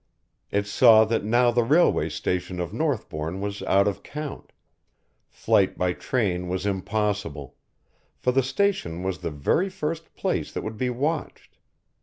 It saw that now the railway station of Northbourne was out of count, flight by train was impossible, for the station was the very first place that would be watched.